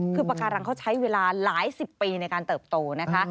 คือปากการังเขาใช้เวลาหลายสิบปีในการเติบโตนะคะ